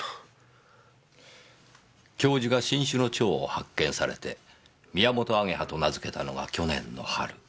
教授が新種の蝶を発見されてミヤモトアゲハと名付けたのが去年の春。